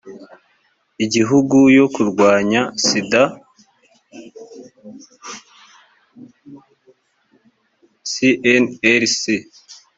igihugu yo kurwanya sida cnls